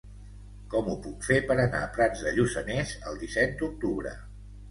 Com ho puc fer per anar a Prats de Lluçanès el disset d'octubre?